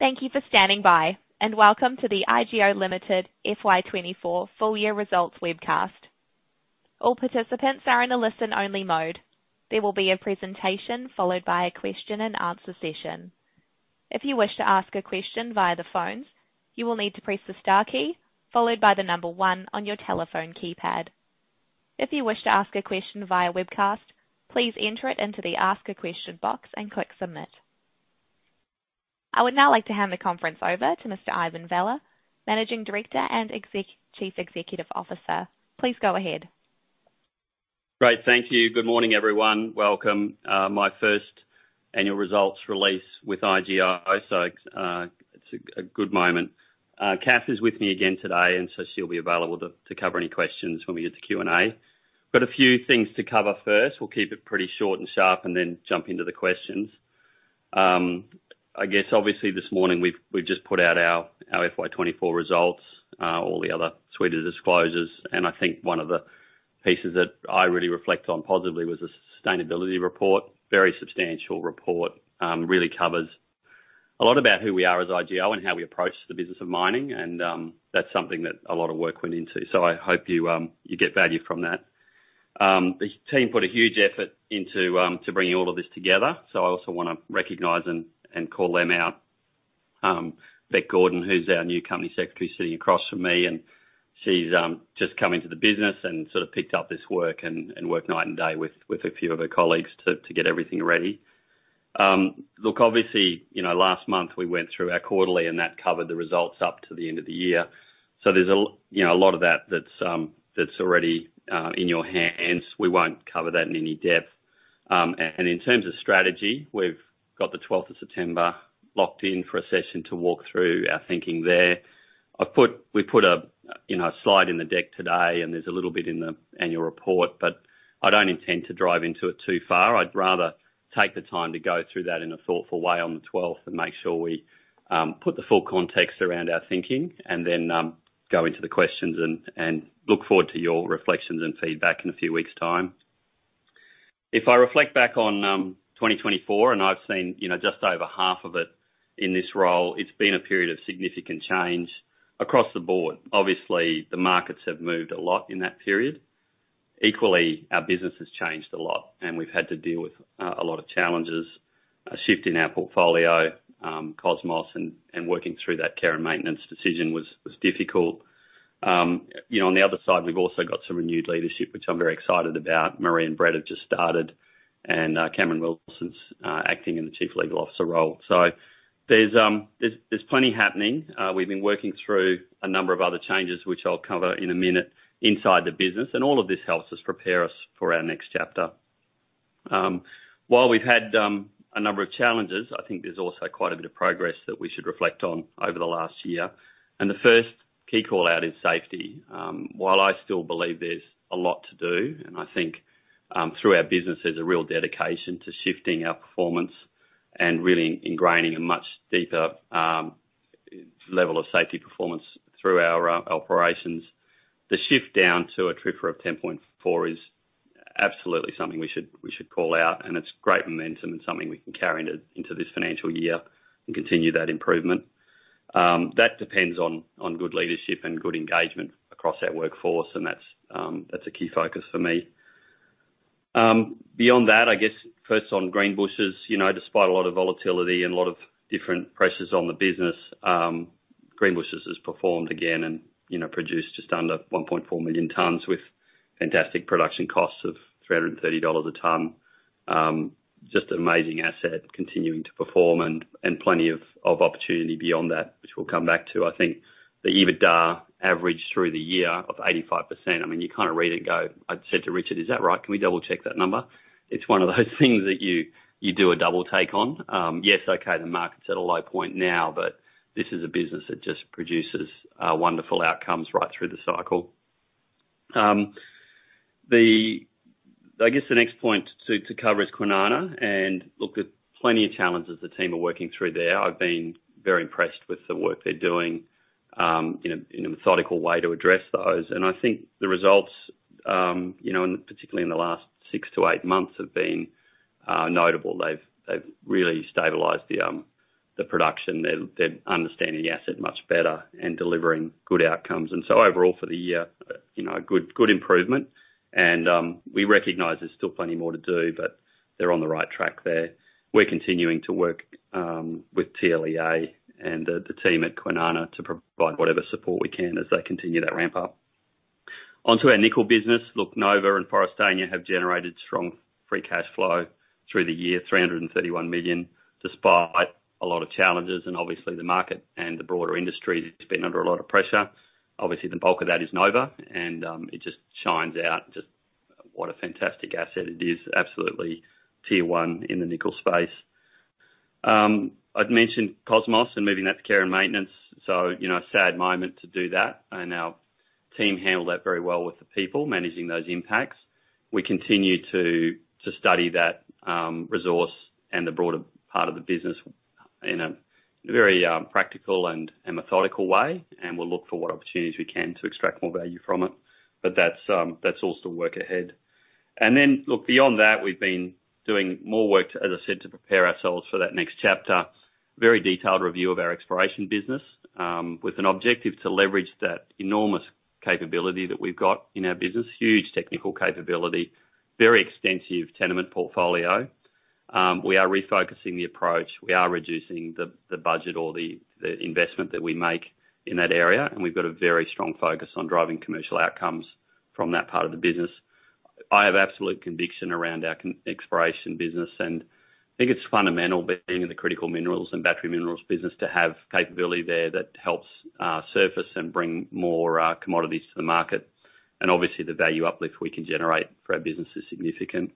Thank you for standing by, and welcome to the IGO Limited FY 2024 full year results webcast. All participants are in a listen-only mode. There will be a presentation, followed by a Q&A session. If you wish to ask a question via the phone, you will need to press the star key, followed by the number one on your telephone keypad. If you wish to ask a question via webcast, please enter it into the Ask a Question box and click Submit. I would now like to hand the conference over to Mr. Ivan Vella, Managing Director and Chief Executive Officer. Please go ahead. Great. Thank you. Good morning, everyone. Welcome, my first annual results release with IGO, so, it's a good moment. Kath is with me again today, and so she'll be available to cover any questions when we get to Q&A. But a few things to cover first. We'll keep it pretty short and sharp, and then jump into the questions. I guess, obviously, this morning we've just put out our FY 2024 results, all the other suite of disclosures, and I think one of the pieces that I really reflect on positively was the Sustainability Report. Very substantial report. Really covers a lot about who we are as IGO and how we approach the business of mining, and, that's something that a lot of work went into, so I hope you get value from that. The team put a huge effort into bringing all of this together, so I also wanna recognize and call them out. Bec Gordon, who's our new Company Secretary, sitting across from me, and she's just come into the business and sort of picked up this work and worked night and day with a few of her colleagues to get everything ready. Look, obviously, you know, last month we went through our quarterly, and that covered the results up to the end of the year. So there's, you know, a lot of that that's already in your hands. We won't cover that in any depth, and in terms of strategy, we've got the twelfth of September locked in for a session to walk through our thinking there. We put a, you know, a slide in the deck today, and there's a little bit in the Annual Report, but I don't intend to drive into it too far. I'd rather take the time to go through that in a thoughtful way on the twelfth and make sure we put the full context around our thinking, and then go into the questions and look forward to your reflections and feedback in a few weeks' time. If I reflect back on 2024, and I've seen, you know, just over half of it in this role, it's been a period of significant change across the board. Obviously, the markets have moved a lot in that period. Equally, our business has changed a lot, and we've had to deal with a lot of challenges, a shift in our portfolio, Cosmos, and working through that care and maintenance decision was difficult. You know, on the other side, we've also got some renewed leadership, which I'm very excited about. Marie and Brett have just started, and Cameron Wilson's acting in the Chief Legal Officer role, so there's plenty happening. We've been working through a number of other changes, which I'll cover in a minute, inside the business, and all of this helps us prepare for our next chapter. While we've had a number of challenges, I think there's also quite a bit of progress that we should reflect on over the last year, and the first key call-out is safety. While I still believe there's a lot to do, and I think, through our business, there's a real dedication to shifting our performance and really ingraining a much deeper level of safety performance through our operations. The shift down to a TRIFR of 10.4 is absolutely something we should call out, and it's great momentum and something we can carry into this financial year and continue that improvement. That depends on good leadership and good engagement across our workforce, and that's a key focus for me. Beyond that, I guess first on Greenbushes, you know, despite a lot of volatility and a lot of different pressures on the business, Greenbushes has performed again and, you know, produced just under 1.4 million tonnes with fantastic production costs of 330 dollars a tonne. Just an amazing asset, continuing to perform and plenty of opportunity beyond that, which we'll come back to. I think the EBITDA average through the year of 85%, I mean, you kind of read it and go... I said to Richard, "Is that right? Can we double-check that number?" It's one of those things that you do a double take on. Yes, okay, the market's at a low point now, but this is a business that just produces wonderful outcomes right through the cycle. The next point to cover is Kwinana, and look, there's plenty of challenges the team are working through there. I've been very impressed with the work they're doing in a methodical way to address those. And I think the results, you know, and particularly in the last six to eight months, have been notable. They've really stabilized the production. They're understanding the asset much better and delivering good outcomes, and so overall, for the year, you know, good improvement and we recognize there's still plenty more to do, but they're on the right track there. We're continuing to work with TLEA and the team at Kwinana to provide whatever support we can as they continue that ramp up. Onto our nickel business. Look, Nova and Forrestania have generated strong free cash flow through the year, 331 million, despite a lot of challenges, and obviously the market and the broader industry has been under a lot of pressure. Obviously, the bulk of that is Nova, and it just shines out, just what a fantastic asset it is. Absolutely tier one in the nickel space. I've mentioned Cosmos and moving that to care and maintenance, so you know, a sad moment to do that, and our team handled that very well with the people, managing those impacts. We continue to study that resource and the broader part of the business in a very practical and methodical way, and we'll look for what opportunities we can to extract more value from it. But that's all still work ahead. And then, look, beyond that, we've been doing more work, as I said, to prepare ourselves for that next chapter. Very detailed review of our exploration business with an objective to leverage that enormous capability that we've got in our business. Huge technical capability, very extensive tenement portfolio. We are refocusing the approach. We are reducing the budget or the investment that we make in that area, and we've got a very strong focus on driving commercial outcomes from that part of the business. I have absolute conviction around our exploration business, and I think it's fundamental, being in the critical minerals and battery minerals business, to have capability there that helps surface and bring more commodities to the market. And obviously, the value uplift we can generate for our business is significant.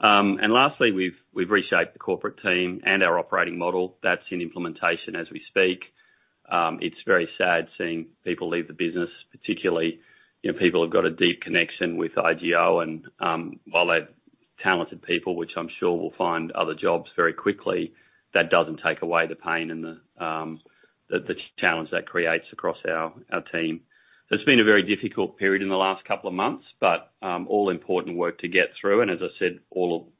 And lastly, we've reshaped the corporate team and our operating model. That's in implementation as we speak. It's very sad seeing people leave the business, particularly, you know, people who've got a deep connection with IGO and, while they're talented people, which I'm sure will find other jobs very quickly, that doesn't take away the pain and the challenge that creates across our team. So it's been a very difficult period in the last couple of months, but, all important work to get through, and as I said, all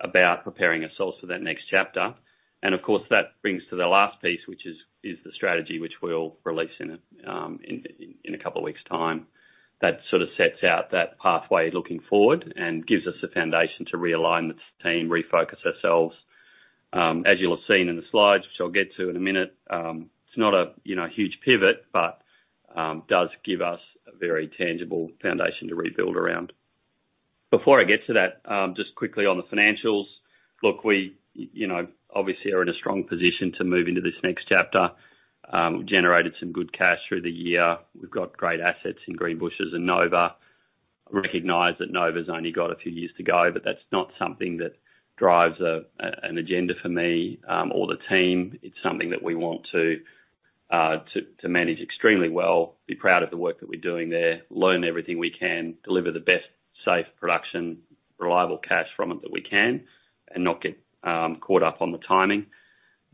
about preparing ourselves for that next chapter. And of course, that brings to the last piece, which is the strategy, which we'll release in a couple of weeks' time. That sort of sets out that pathway looking forward and gives us the foundation to realign the team, refocus ourselves. As you'll have seen in the slides, which I'll get to in a minute, it's not a, you know, huge pivot, but does give us a very tangible foundation to rebuild around. Before I get to that, just quickly on the financials. Look, we, you know, obviously are in a strong position to move into this next chapter. We've generated some good cash through the year. We've got great assets in Greenbushes and Nova. I recognize that Nova's only got a few years to go, but that's not something that drives an agenda for me, or the team. It's something that we want to manage extremely well, be proud of the work that we're doing there, learn everything we can, deliver the best safe production, reliable cash from it that we can, and not get caught up on the timing.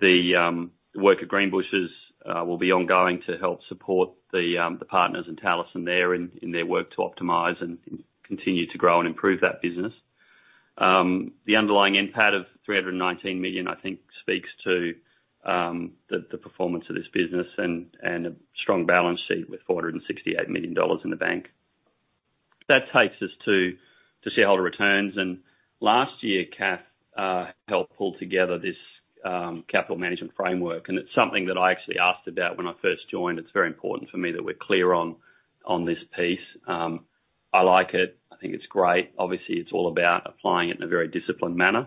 The work at Greenbushes will be ongoing to help support the partners and Talison there in their work to optimize and continue to grow and improve that business. The underlying NPAT of 319 million, I think, speaks to the performance of this business and a strong balance sheet with 468 million dollars in the bank. That takes us to shareholder returns, and last year, Kath helped pull together this Capital Management Framework, and it's something that I actually asked about when I first joined. It's very important for me that we're clear on this piece. I like it. I think it's great. Obviously, it's all about applying it in a very disciplined manner,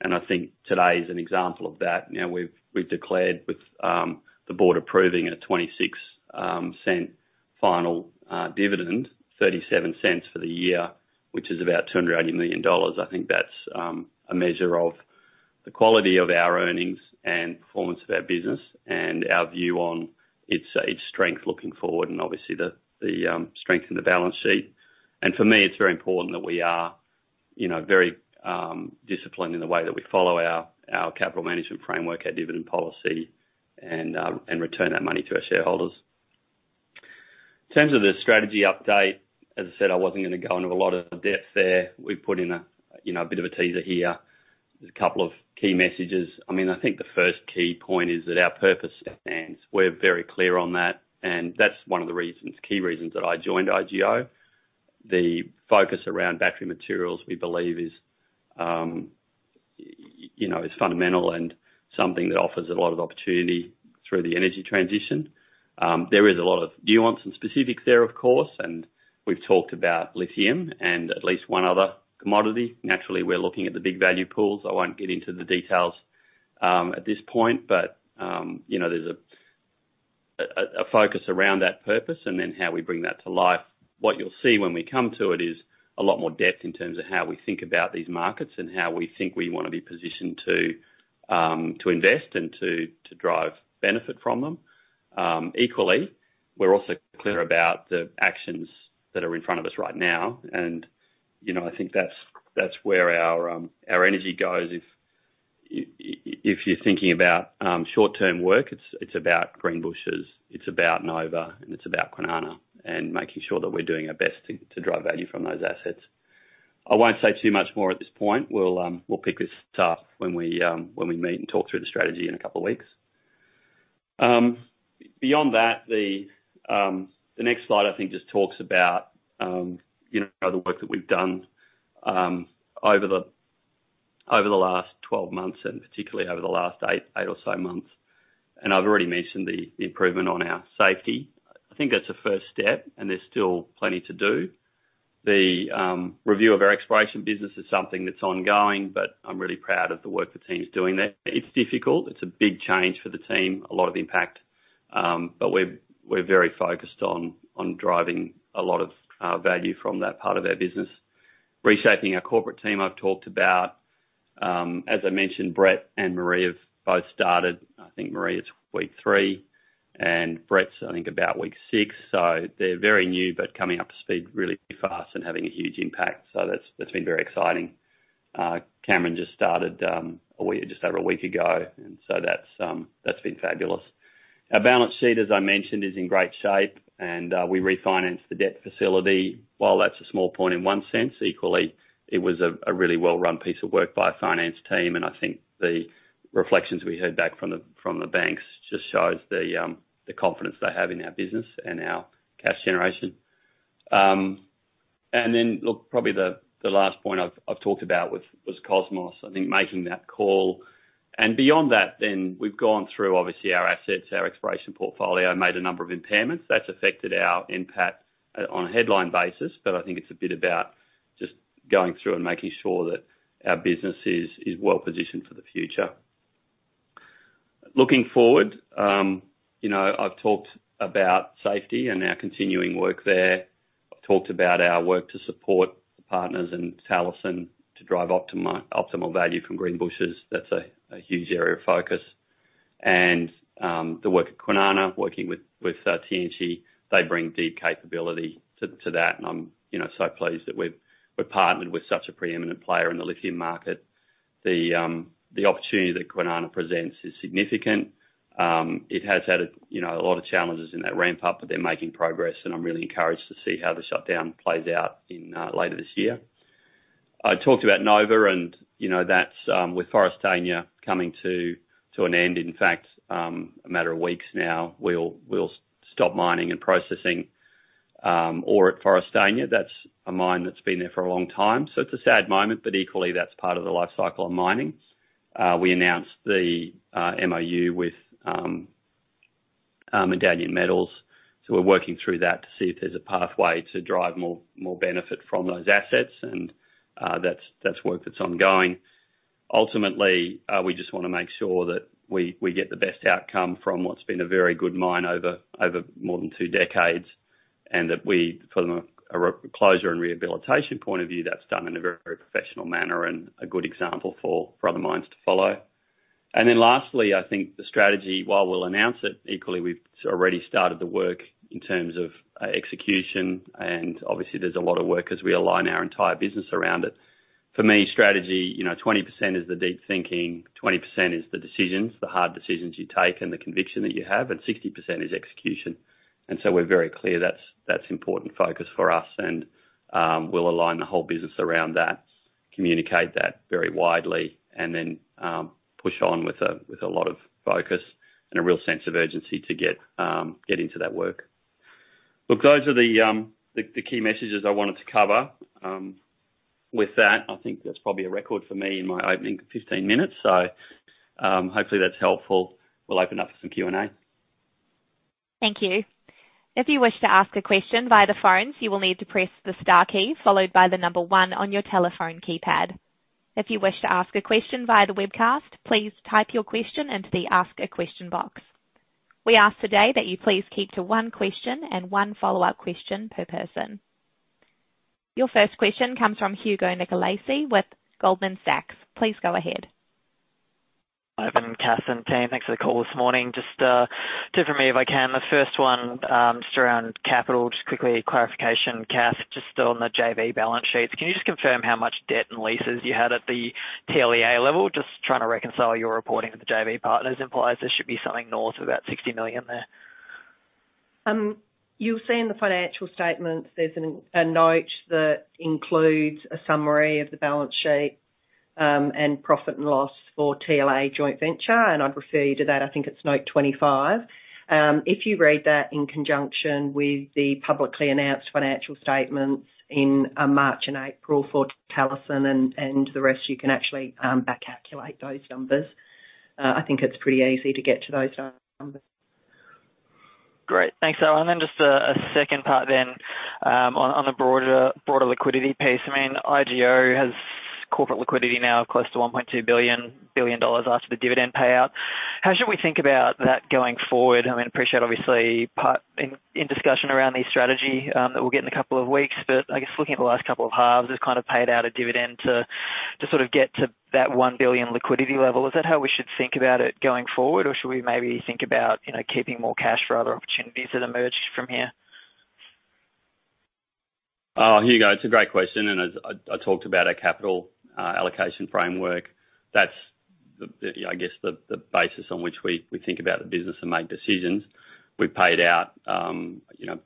and I think today is an example of that. You know, we've declared, with the board approving a 0.26 final dividend, 0.37 for the year, which is about 280 million dollars. I think that's a measure of the quality of our earnings and performance of our business and our view on its strength looking forward, and obviously the strength in the balance sheet, and for me, it's very important that we are, you know, very disciplined in the way that we follow our Capital Management Framework, our dividend policy, and return that money to our shareholders. In terms of the strategy update, as I said, I wasn't gonna go into a lot of depth there. We've put in a, you know, a bit of a teaser here. There's a couple of key messages. I mean, I think the first key point is that our purpose stands. We're very clear on that, and that's one of the reasons, key reasons, that I joined IGO. The focus around battery materials, we believe is, you know, is fundamental and something that offers a lot of opportunity through the energy transition. There is a lot of nuance and specifics there, of course, and we've talked about lithium and at least one other commodity. Naturally, we're looking at the big value pools. I won't get into the details, at this point, but, you know, there's a focus around that purpose and then how we bring that to life. What you'll see when we come to it is a lot more depth in terms of how we think about these markets and how we think we want to be positioned to invest and to drive benefit from them. Equally, we're also clear about the actions that are in front of us right now, and, you know, I think that's where our energy goes. If you're thinking about short-term work, it's about Greenbushes, it's about Nova, and it's about Kwinana, and making sure that we're doing our best to drive value from those assets. I won't say too much more at this point. We'll, we'll pick this up when we, when we meet and talk through the strategy in a couple of weeks. Beyond that, the next slide, I think, just talks about, you know, the work that we've done, over the last twelve months, and particularly over the last eight, eight or so months. And I've already mentioned the improvement on our safety. I think that's a first step, and there's still plenty to do. The review of our exploration business is something that's ongoing, but I'm really proud of the work the team's doing there. It's difficult. It's a big change for the team, a lot of impact, but we're, we're very focused on, on driving a lot of value from that part of our business. Reshaping our corporate team, I've talked about. As I mentioned, Brett and Marie have both started. I think Marie is week three, and Brett's, I think, about week six, so they're very new, but coming up to speed really fast and having a huge impact. So that's been very exciting. Cameron just started a week, just over a week ago, and so that's been fabulous. Our balance sheet, as I mentioned, is in great shape, and we refinanced the debt facility. While that's a small point in one sense, equally, it was a really well-run piece of work by our finance team, and I think the reflections we heard back from the banks just shows the confidence they have in our business and our cash generation. And then, look, probably the last point I've talked about was Cosmos. I think making that call, and beyond that then, we've gone through, obviously, our assets, our exploration portfolio, made a number of impairments. That's affected our NPAT on a headline basis, but I think it's a bit about just going through and making sure that our business is well-positioned for the future. Looking forward, you know, I've talked about safety and our continuing work there. I've talked about our work to support the partners in Talison to drive optimal value from Greenbushes. That's a huge area of focus, and the work at Kwinana, working with Tianqi, they bring deep capability to that, and I'm, you know, so pleased that we've partnered with such a preeminent player in the lithium market. The opportunity that Kwinana presents is significant. It has had, you know, a lot of challenges in that ramp up, but they're making progress, and I'm really encouraged to see how the shutdown plays out in later this year. I talked about Nova and, you know, that's with Forrestania coming to an end, in fact, a matter of weeks now, we'll stop mining and processing ore at Forrestania. That's a mine that's been there for a long time, so it's a sad moment, but equally, that's part of the life cycle of mining. We announced the MOU with Medallion Metals, so we're working through that to see if there's a pathway to drive more benefit from those assets, and that's work that's ongoing. Ultimately, we just wanna make sure that we get the best outcome from what's been a very good mine over more than two decades, and that we, from a closure and rehabilitation point of view, that's done in a very professional manner and a good example for other mines to follow. And then lastly, I think the strategy, while we'll announce it, equally, we've already started the work in terms of execution, and obviously there's a lot of work as we align our entire business around it. For me, strategy, you know, 20% is the deep thinking, 20% is the decisions, the hard decisions you take and the conviction that you have, and 60% is execution. And so we're very clear that's important focus for us, and we'll align the whole business around that, communicate that very widely, and then push on with a lot of focus and a real sense of urgency to get into that work. Look, those are the key messages I wanted to cover. With that, I think that's probably a record for me in my opening fifteen minutes, so hopefully that's helpful. We'll open up for some Q&A. Thank you. If you wish to ask a question via the phones, you will need to press the star key followed by the number one on your telephone keypad. If you wish to ask a question via the webcast, please type your question into the Ask a Question box. We ask today that you please keep to one question and one follow-up question per person. Your first question comes from Hugo Nicolaci with Goldman Sachs. Please go ahead. Good morning, Kath and team. Thanks for the call this morning. Just, two from me, if I can. The first one, just around capital. Just quickly, clarification. Kath, just on the JV balance sheets, can you just confirm how much debt and leases you had at the TLEA level? Just trying to reconcile your reporting with the JV partners implies there should be something north of about 60 million there. You'll see in the financial statements, there's a note that includes a summary of the balance sheet and profit and loss for TLEA joint venture, and I'd refer you to that. I think it's Note 25. If you read that in conjunction with the publicly announced financial statements in March and April for Talison and the rest, you can actually back-calculate those numbers. I think it's pretty easy to get to those numbers. Great. Thanks. [inaudible] Then just a second part then, on a broader liquidity piece. I mean, IGO has corporate liquidity now close to 1.2 billion dollars after the dividend payout. How should we think about that going forward? I mean, appreciate, obviously, part in discussion around the strategy, that we'll get in a couple of weeks, but I guess looking at the last couple of halves, it's kind of paid out a dividend to sort of get to that 1 billion liquidity level. Is that how we should think about it going forward, or should we maybe think about, you know, keeping more cash for other opportunities that emerge from here? Oh, Hugo, it's a great question, and as I, I talked about our capital allocation framework. That's the, I guess, the basis on which we think about the business and make decisions. We've paid out, you know,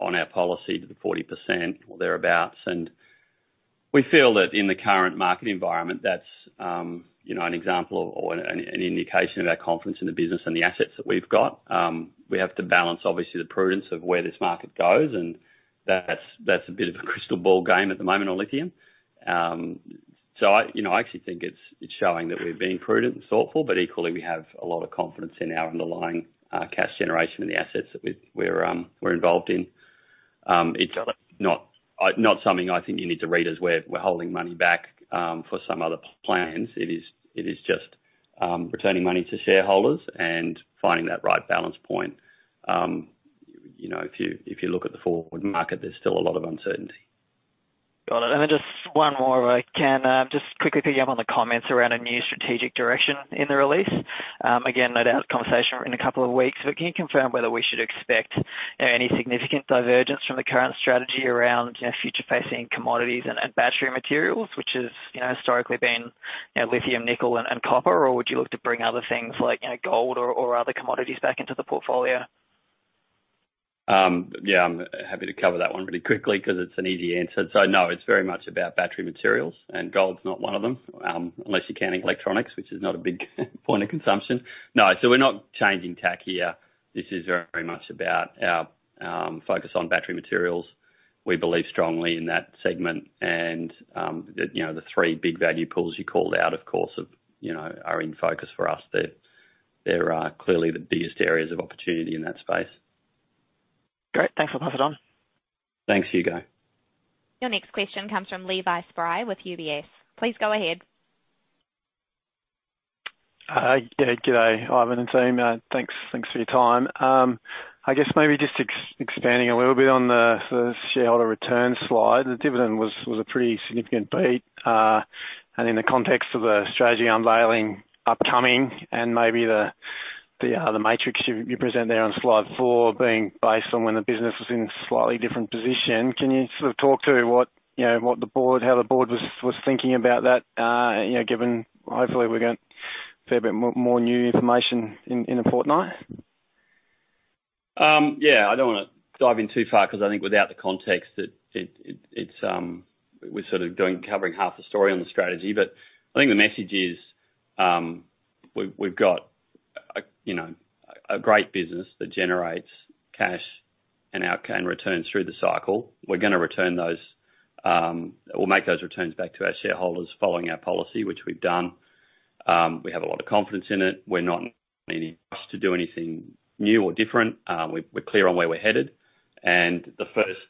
on our policy to the 40% or thereabouts, and we feel that in the current market environment, that's, you know, an example or an indication of our confidence in the business and the assets that we've got. We have to balance, obviously, the prudence of where this market goes, and that's a bit of a crystal ball game at the moment on lithium. So, you know, I actually think it's showing that we're being prudent and thoughtful, but equally, we have a lot of confidence in our underlying cash generation and the assets that we're involved in. It's not something I think you need to read as we're holding money back for some other plans. It is just returning money to shareholders and finding that right balance point. You know, if you look at the forward market, there's still a lot of uncertainty. Got it. And then just one more, if I can, just quickly picking up on the comments around a new strategic direction in the release. Again, no doubt conversation in a couple of weeks, but can you confirm whether we should expect, you know, any significant divergence from the current strategy around, you know, future facing commodities and battery materials, which has, you know, historically been, you know, lithium, nickel, and copper? Or would you look to bring other things like, you know, gold or other commodities back into the portfolio? Yeah, I'm happy to cover that one really quickly because it's an easy answer. So no, it's very much about battery materials, and gold's not one of them, unless you're counting electronics, which is not a big point of consumption. No, so we're not changing tack here. This is very much about our focus on battery materials. We believe strongly in that segment and you know the three big value pools you called out, of course you know are in focus for us. They're clearly the biggest areas of opportunity in that space. Great. Thanks a lot, Ivan. Thanks, Hugo. Your next question comes from Levi Spry with UBS. Please go ahead. Yeah, good day, Ivan and team. Thanks, thanks for your time. I guess maybe just expanding a little bit on the shareholder return slide, the dividend was a pretty significant beat. And in the context of the strategy unveiling upcoming and maybe the matrix you presented there on slide four being based on when the business was in slightly different position, can you sort of talk to what, you know, what the board, how the board was thinking about that? You know, given hopefully we're getting a fair bit more new information in a fortnight. Yeah. I don't wanna dive in too far because I think without the context, it's we're sort of doing, covering half the story on the strategy. But I think the message is, we've got a, you know, a great business that generates cash and out- and returns through the cycle. We're gonna return those, we'll make those returns back to our shareholders following our policy, which we've done. We have a lot of confidence in it. We're not meaning to do anything new or different. We're clear on where we're headed. And the first,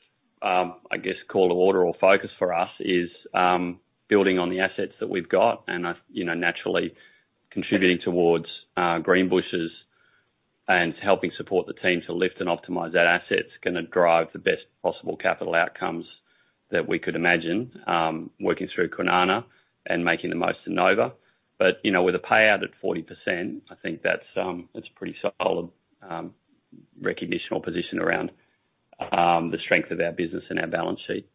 I guess, call to order or focus for us is building on the assets that we've got and, you know, naturally contributing towards Greenbushes and helping support the team to lift and optimize that asset. It's gonna drive the best possible capital outcomes that we could imagine, working through Kwinana and making the most of Nova. But, you know, with a payout at 40%, I think that's pretty solid recognition of position around the strength of our business and our balance sheet.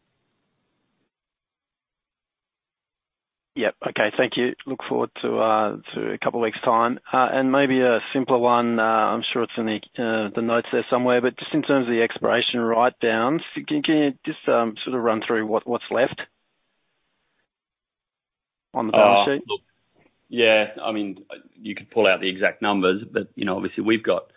Yep. Okay. Thank you. Look forward to a couple of weeks' time, and maybe a simpler one. I'm sure it's in the notes there somewhere, but just in terms of the exploration write-downs, can you just sort of run through what's left on the balance sheet? Yeah. I mean, you could pull out the exact numbers, but, you know, obviously we've got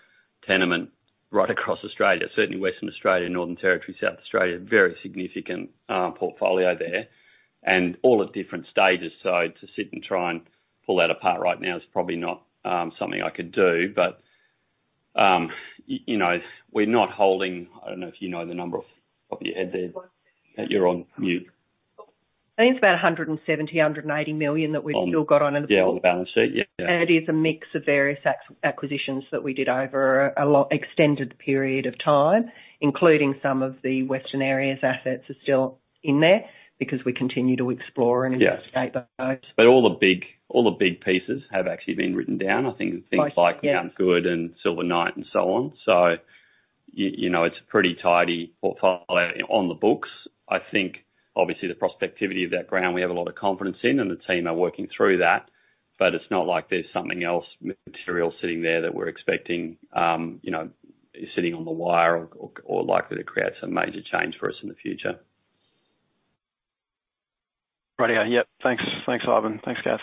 tenements right across Australia, certainly Western Australia, Northern Territory, South Australia, very significant portfolio there, and all at different stages. So to sit and try and pull that apart right now is probably not something I could do, but, you know, we're not holding... I don't know if you know the number off the top of your head there, you're on mute. I think it's about 170 million-180 million that we've still got on- Yeah, on the balance sheet. Yeah. It is a mix of various acquisitions that we did over a long extended period of time, including some of the Western Australia. Assets are still in there because we continue to explore and Yeah -investigate those. All the big pieces have actually been written down. Yes. I think things like Mount Gould and Silver Knight and so on. So you know, it's a pretty tidy portfolio on the books. I think obviously the prospectivity of that ground, we have a lot of confidence in, and the team are working through that, but it's not like there's something else, material sitting there that we're expecting, you know, sitting on the wire or likely to create some major change for us in the future. Right. Yep. Thanks. Thanks, Ivan. Thanks, Kath.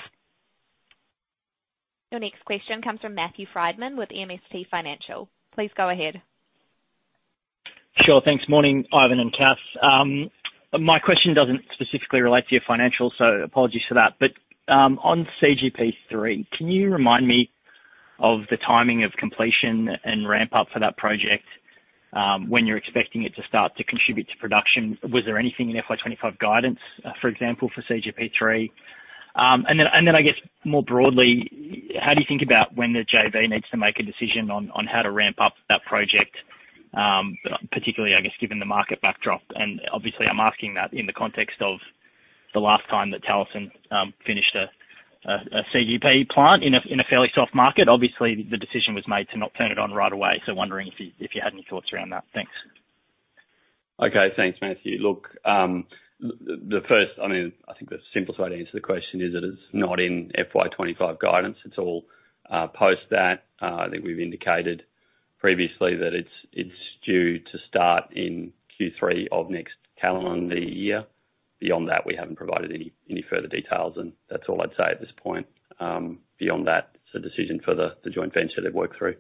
Your next question comes from Matthew Frydman with MST Financial. Please go ahead. Sure. Thanks. Morning, Ivan and Kath. My question doesn't specifically relate to your financials, so apologies for that. But, on CGP3, can you remind me of the timing of completion and ramp up for that project, when you're expecting it to start to contribute to production? Was there anything in FY twenty-five guidance, for example, for CGP3? And then, I guess more broadly, how do you think about when the JV needs to make a decision on how to ramp up that project, particularly, I guess, given the market backdrop? And obviously I'm asking that in the context of the last time that Talison finished a CGP plant in a fairly soft market. Obviously, the decision was made to not turn it on right away, so wondering if you had any thoughts around that. Thanks. Okay. Thanks, Matthew. Look, I mean, I think the simplest way to answer the question is that it's not in FY 2025 guidance. It's all, post that. I think we've indicated previously that it's due to start in Q3 of next calendar year. Beyond that, we haven't provided any further details, and that's all I'd say at this point. Beyond that, it's a decision for the joint venture to work through.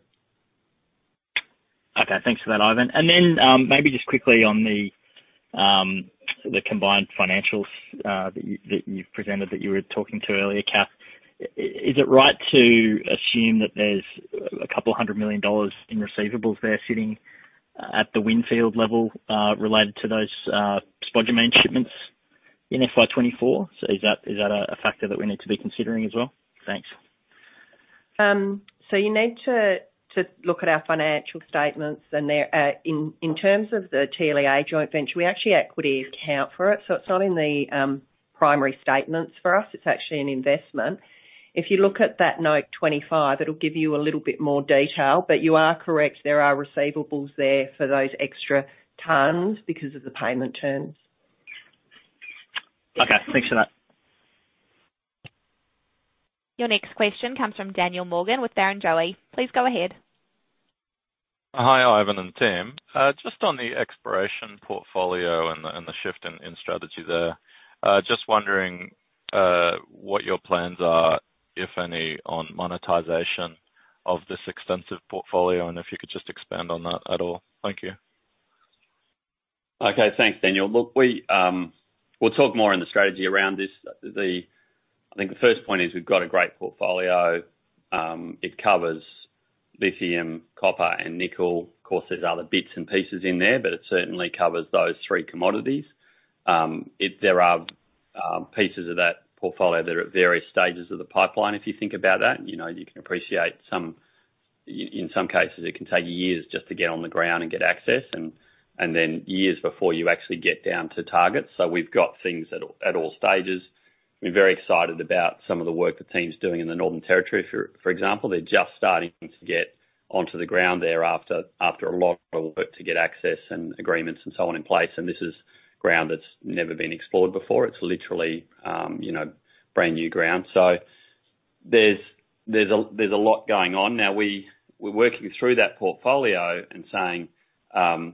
Okay, thanks for that, Ivan, and then, maybe just quickly on the combined financials that you've presented that you were talking to earlier, Kath. Is it right to assume that there's 200 million dollars in receivables there sitting at the Windfield level related to those spodumene shipments in FY 2024? So is that a factor that we need to be considering as well? Thanks. So you need to look at our financial statements, and they're in terms of the TLEA joint venture, we actually equity account for it, so it's not in the primary statements for us. It's actually an investment. If you look at that Note 25, it'll give you a little bit more detail, but you are correct, there are receivables there for those extra tonnes because of the payment terms. Okay, thanks for that. Your next question comes from Daniel Morgan with Barrenjoey. Please go ahead. Hi, Ivan and team. Just on the exploration portfolio and the shift in strategy there. Just wondering what your plans are, if any, on monetization of this extensive portfolio, and if you could just expand on that at all. Thank you. Okay. Thanks, Daniel. Look, we, we'll talk more on the strategy around this. I think the first point is, we've got a great portfolio. It covers lithium, copper, and nickel. Of course, there's other bits and pieces in there, but it certainly covers those three commodities. There are pieces of that portfolio that are at various stages of the pipeline, if you think about that. You know, you can appreciate some. In some cases, it can take years just to get on the ground and get access, and then years before you actually get down to targets. So we've got things at all stages. We're very excited about some of the work the team's doing in the Northern Territory, for example. They're just starting to get onto the ground there after a lot of work to get access and agreements and so on in place, and this is ground that's never been explored before. It's literally, you know, brand new ground. So there's a lot going on. Now, we're working through that portfolio and saying, you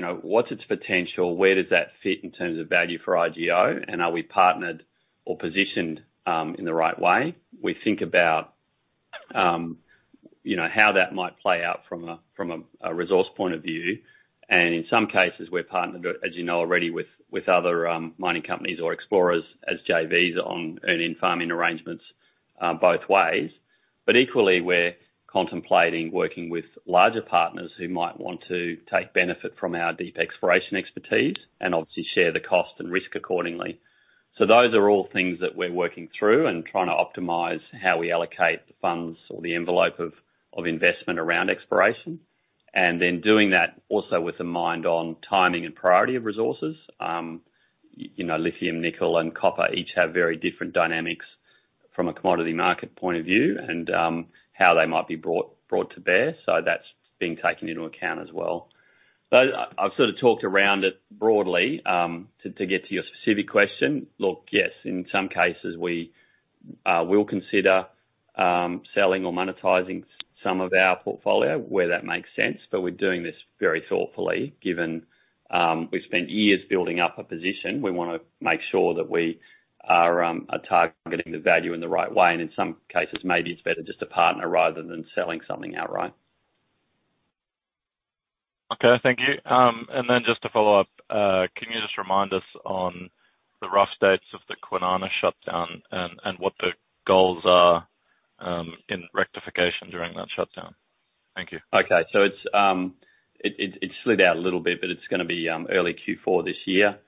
know, "What's its potential? Where does that fit in terms of value for IGO, and are we partnered or positioned in the right way?" We think about, you know, how that might play out from a resource point of view, and in some cases, we're partnered, as you know already, with other mining companies or explorers as JVs on earn-in farming arrangements, both ways. But equally, we're contemplating working with larger partners who might want to take benefit from our deep exploration expertise, and obviously share the cost and risk accordingly. So those are all things that we're working through and trying to optimize how we allocate the funds or the envelope of investment around exploration, and then doing that also with a mind on timing and priority of resources. You know, lithium, nickel, and copper each have very different dynamics from a commodity market point of view, and how they might be brought to bear, so that's being taken into account as well. But I've sort of talked around it broadly, to get to your specific question. Look, yes, in some cases we will consider selling or monetizing some of our portfolio where that makes sense, but we're doing this very thoughtfully, given we've spent years building up a position. We wanna make sure that we are targeting the value in the right way, and in some cases, maybe it's better just to partner rather than selling something outright. Okay, thank you. And then just to follow up, can you just remind us on the rough dates of the Kwinana shutdown and what the goals are, in rectification during that shutdown? Thank you. Okay, so it slid out a little bit, but it's gonna be early Q4 this year,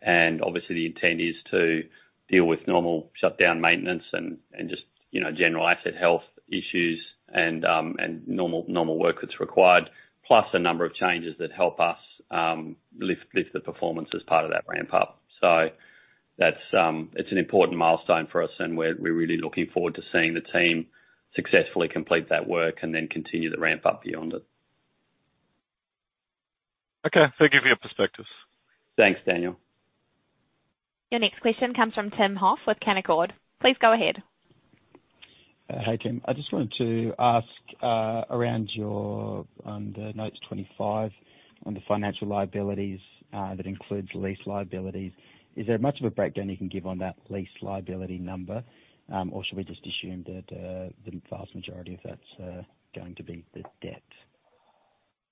and obviously the intent is to deal with normal shutdown maintenance and just, you know, general asset health issues and normal work that's required, plus a number of changes that help us lift the performance as part of that ramp up, so that's, it's an important milestone for us, and we're really looking forward to seeing the team successfully complete that work and then continue the ramp up beyond it. Okay. Thank you for your perspectives. Thanks, Daniel. Your next question comes from Tim Hoff with Canaccord. Please go ahead. Hi, Tim. I just wanted to ask around your the Notes 25 on the financial liabilities that includes lease liabilities. Is there much of a breakdown you can give on that lease liability number? Or should we just assume that the vast majority of that's going to be the debt?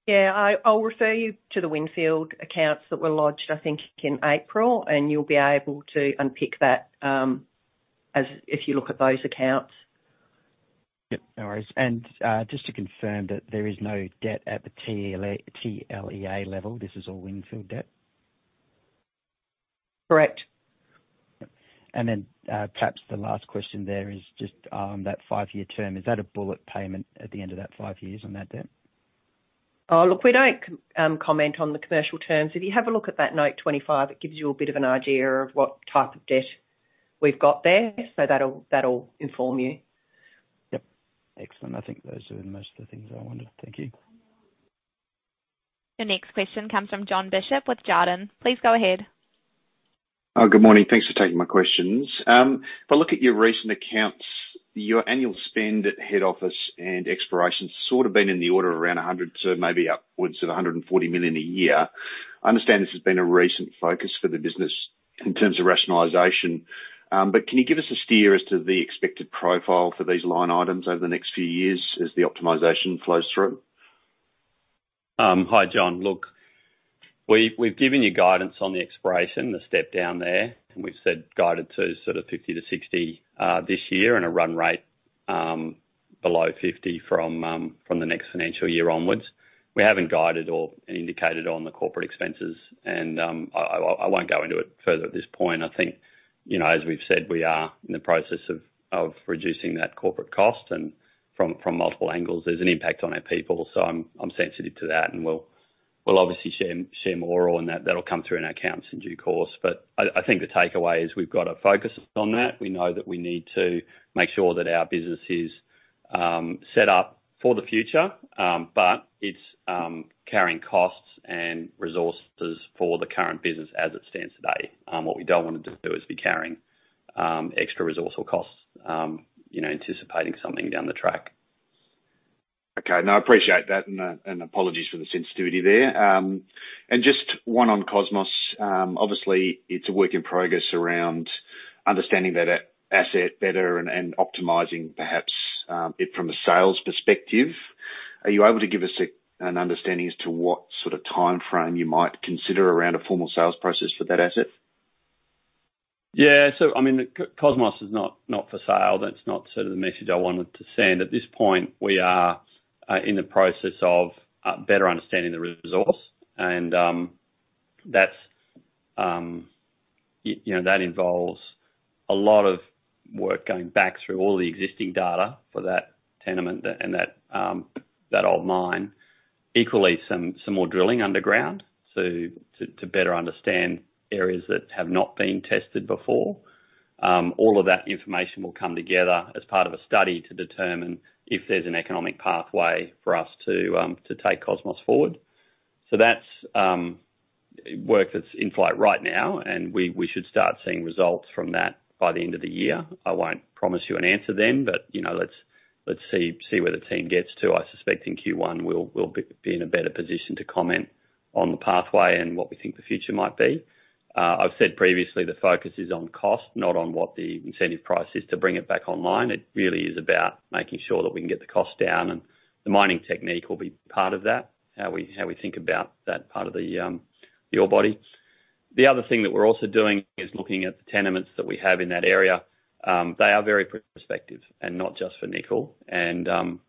Yeah, I'll refer you to the Windfield accounts that were lodged, I think, in April, and you'll be able to unpick that, as if you look at those accounts. Yep, no worries and just to confirm that there is no debt at the TLEA level, this is all Windfield debt? Correct. And then, perhaps the last question there is just, that five-year term, is that a bullet payment at the end of that five years on that debt? Oh, look, we don't comment on the commercial terms. If you have a look at that Note 25, it gives you a bit of an idea of what type of debt we've got there, so that'll inform you. Yep. Excellent. I think those are most of the things I wanted. Thank you. The next question comes from John Bishop with Jarden. Please go ahead. Good morning. Thanks for taking my questions. If I look at your recent accounts, your annual spend at head office and exploration sort of been in the order of around 100 million to maybe upwards of 140 million a year. I understand this has been a recent focus for the business in terms of rationalization, but can you give us a steer as to the expected profile for these line items over the next few years as the optimization flows through? Hi, John. Look, we've given you guidance on the exploration, the step down there, and we've said guided to sort of 50-60 this year, and a run rate below 50 from the next financial year onwards. We haven't guided or indicated on the corporate expenses, and I won't go into it further at this point. I think, you know, as we've said, we are in the process of reducing that corporate cost, and from multiple angles, there's an impact on our people, so I'm sensitive to that, and we'll obviously share more on that. That'll come through in our accounts in due course, but I think the takeaway is we've got to focus on that. We know that we need to make sure that our business is set up for the future, but it's carrying costs and resources for the current business as it stands today. What we don't want to do is be carrying extra resource or costs, you know, anticipating something down the track. Okay. No, I appreciate that, and apologies for the sensitivity there. And just one on Cosmos. Obviously, it's a work in progress around understanding that asset better and optimizing perhaps it from a sales perspective. Are you able to give us an understanding as to what sort of timeframe you might consider around a formal sales process for that asset? Yeah. So I mean, Cosmos is not, not for sale. That's not sort of the message I wanted to send. At this point, we are in the process of better understanding the resource, and that's, you know, that involves a lot of work going back through all the existing data for that tenement and that old mine. Equally, some more drilling underground, so to better understand areas that have not been tested before. All of that information will come together as part of a study to determine if there's an economic pathway for us to take Cosmos forward. So that's work that's in flight right now, and we should start seeing results from that by the end of the year. I won't promise you an answer then, but, you know, let's see where the team gets to. I suspect in Q1, we'll be in a better position to comment on the pathway and what we think the future might be. I've said previously the focus is on cost, not on what the incentive price is to bring it back online. It really is about making sure that we can get the cost down, and the mining technique will be part of that, how we think about that part of the ore body. The other thing that we're also doing is looking at the tenements that we have in that area. They are very prospective and not just for nickel, and,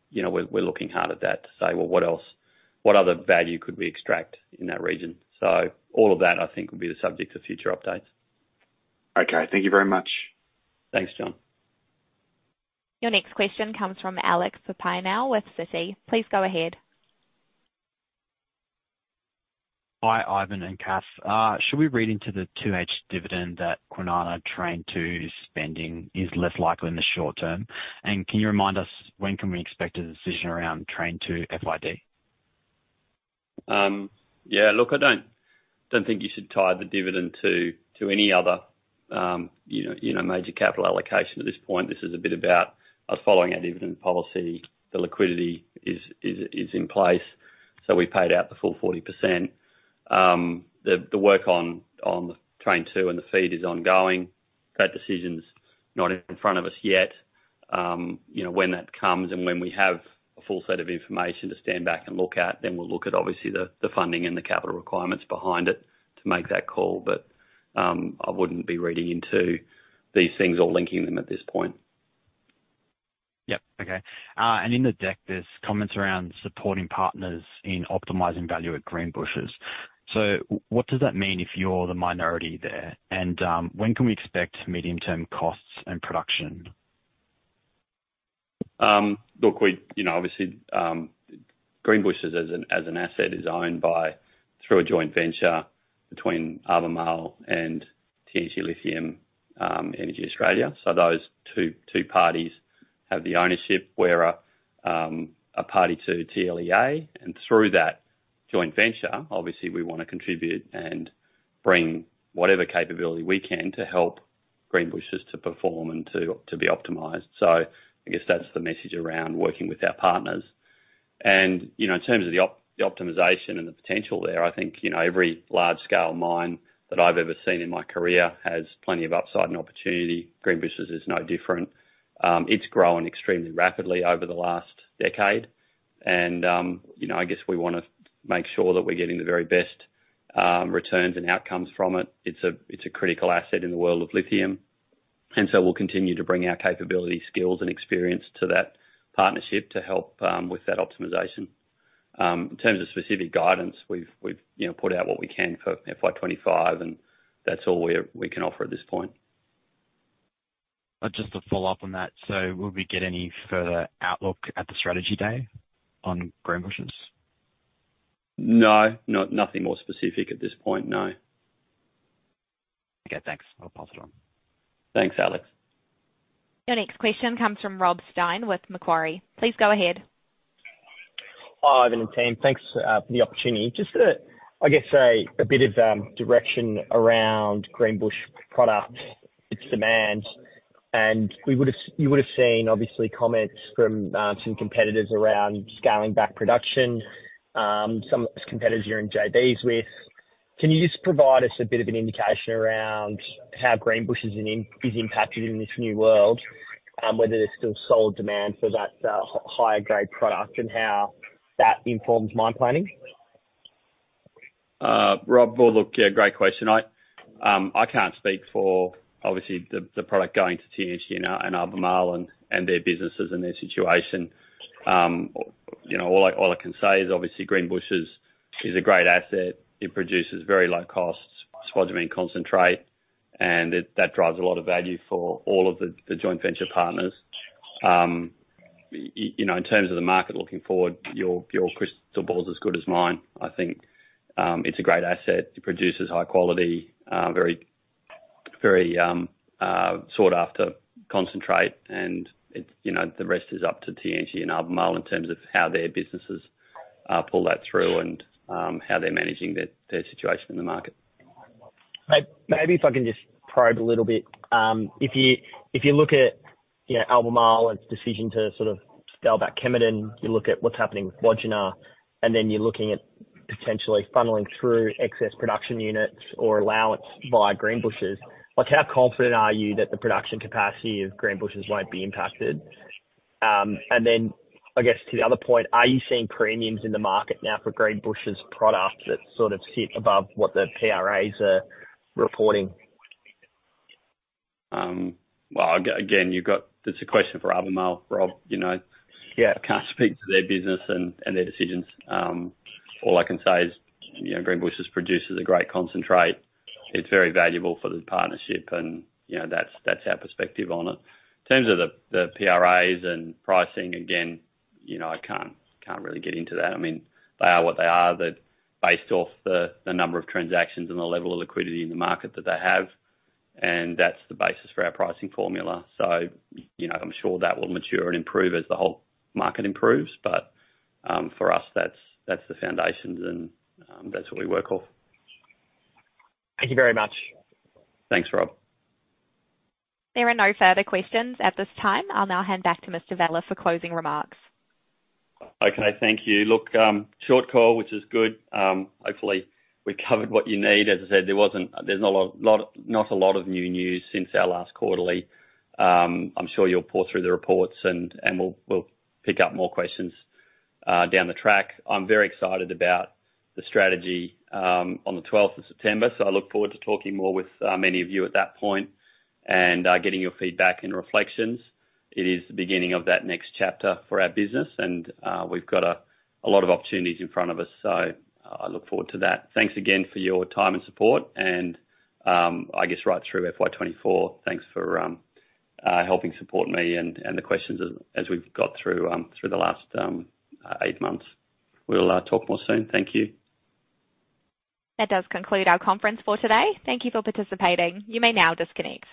you know, we're looking hard at that to say, "Well, what else? What other value could we extract in that region?" So all of that, I think, will be the subject of future updates. Okay, thank you very much. Thanks, John. Your next question comes from Alex Papaioanou with Citi. Please go ahead. Hi, Ivan and Kath. Should we read into the 2 cent dividend that Kwinana Train 2 spending is less likely in the short term? And can you remind us, when can we expect a decision around Train 2 FID? Yeah, look, I don't think you should tie the dividend to any other, you know, major capital allocation at this point. This is a bit about us following our dividend policy. The liquidity is in place, so we paid out the full 40%. The work on Train 2 and the FEED is ongoing. That decision's not in front of us yet. You know, when that comes and when we have a full set of information to stand back and look at, then we'll look at, obviously, the funding and the capital requirements behind it to make that call. But I wouldn't be reading into these things or linking them at this point. Yep. Okay. And in the deck, there's comments around supporting partners in optimizing value at Greenbushes. So what does that mean if you're the minority there? And when can we expect medium-term costs and production? Look, we, you know, obviously, Greenbushes as an asset is owned by... through a joint venture between Albemarle and Tianqi Lithium Energy Australia. So those two parties have the ownership. We're a party to TLEA, and through that joint venture, obviously, we wanna contribute and bring whatever capability we can to help Greenbushes to perform and to be optimized. So I guess that's the message around working with our partners. And, you know, in terms of the optimization and the potential there, I think, you know, every large-scale mine that I've ever seen in my career has plenty of upside and opportunity. Greenbushes is no different. It's grown extremely rapidly over the last decade, and, you know, I guess we wanna make sure that we're getting the very best returns and outcomes from it. It's a critical asset in the world of lithium, and so we'll continue to bring our capability, skills, and experience to that partnership to help with that optimization. In terms of specific guidance, we've, you know, put out what we can for FY 2025, and that's all we can offer at this point. Just to follow up on that: so will we get any further outlook at the strategy day on Greenbushes? No. No, nothing more specific at this point, no. Okay, thanks. I'll pass it on. Thanks, Alex. Your next question comes from Rob Stein with Macquarie. Please go ahead. Hi, Ivan and team. Thanks for the opportunity. Just to, I guess, a bit of direction around Greenbushes product, its demand, and you would have seen obviously comments from some competitors around scaling back production, some of those competitors you're in JVs with. Can you just provide us a bit of an indication around how Greenbushes is impacted in this new world, whether there's still solid demand for that higher grade product and how that informs mine planning?... Rob, well, look, yeah, great question. I can't speak for obviously the product going to Tianqi and Albemarle and their businesses and their situation. You know, all I can say is obviously Greenbushes is a great asset. It produces very low costs, spodumene concentrate, and it-- that drives a lot of value for all of the joint venture partners. You know, in terms of the market looking forward, your crystal ball is as good as mine. I think, it's a great asset. It produces high quality, very, very sought after concentrate, and it-- you know, the rest is up to Tianqi and Albemarle in terms of how their businesses pull that through and how they're managing their situation in the market. Maybe if I can just probe a little bit. If you look at, you know, Albemarle's decision to sort of sell back Kemerton, you look at what's happening with Wodgina, and then you're looking at potentially funneling through excess production units or allowance via Greenbushes. Like, how confident are you that the production capacity of Greenbushes won't be impacted? And then I guess to the other point, are you seeing premiums in the market now for Greenbushes product that sort of sit above what the PRAs are reporting? Well, again, you've got, that's a question for Albemarle, Rob, you know? Yeah. I can't speak to their business and their decisions. All I can say is, you know, Greenbushes produces a great concentrate. It's very valuable for the partnership, and, you know, that's our perspective on it. In terms of the PRAs and pricing, again, you know, I can't really get into that. I mean, they are what they are. They're based off the number of transactions and the level of liquidity in the market that they have, and that's the basis for our pricing formula. So, you know, I'm sure that will mature and improve as the whole market improves, but for us, that's the foundations and that's what we work off. Thank you very much. Thanks, Rob. There are no further questions at this time. I'll now hand back to Mr. Vella for closing remarks. Okay, thank you. Look, short call, which is good. Hopefully, we covered what you need. As I said, there's not a lot of new news since our last quarterly. I'm sure you'll pore through the reports and we'll pick up more questions down the track. I'm very excited about the strategy on the 12th of September, so I look forward to talking more with many of you at that point and getting your feedback and reflections. It is the beginning of that next chapter for our business, and we've got a lot of opportunities in front of us, so I look forward to that. Thanks again for your time and support and, I guess right through FY 2024, thanks for helping support me and the questions as we've got through the last eight months. We'll talk more soon. Thank you. That does conclude our conference for today. Thank you for participating. You may now disconnect.